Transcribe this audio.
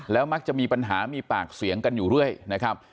แล้วมักจะมีปัญหามีปากเสียงกันอยู่ด้วยนะครับ